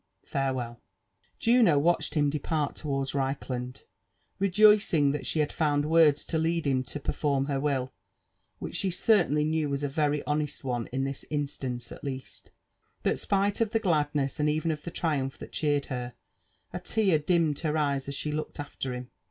—Farewell." Juno watched him depart towards Reichland, rejoicing that she had found words to lead him to perform her will, which she certainly knew was a very honest one in this instance at least ; but spite of the gladness and even of the triumph that cheered her, a tear dimmed^ her eye as she looked after him.